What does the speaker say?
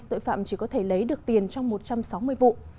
tội phạm chỉ có thể lấy được tiền trong một trăm sáu mươi vụ